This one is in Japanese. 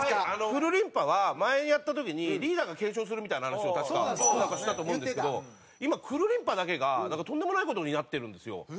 クルリンパは前にやった時にリーダーが継承するみたいな話を確かしたと思うんですけど今クルリンパだけがなんかとんでもない事になってるんですよ。